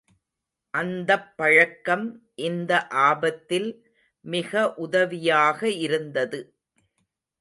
அந்தப் பழக்கம் இந்த ஆபத்தில் மிக உதவியாக இருந்தது.